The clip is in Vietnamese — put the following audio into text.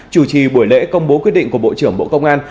chủ trì buổi lễ công bố quyết định của bộ trưởng bộ công an